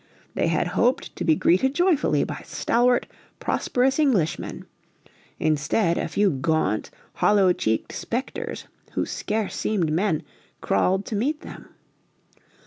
They had hoped to be greeted joyfully by stalwart, prosperous Englishmen. Instead a few gaunt, hollow cheeked spectres, who scarce seemed men, crawled to meet them.